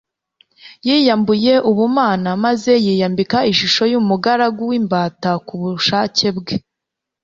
Yiyambuye ubumana maze yiyambika ishusho y'umugaragu w'imbata ku bushake bwe.